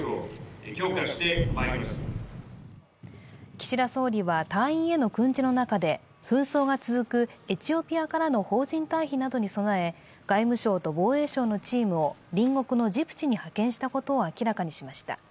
岸田総理は隊員への訓示の中で、紛争が続くエチオピアからの邦人退避などに備え、外務省と防衛省のチームを隣国のジブチに派遣したことを明らかにしました。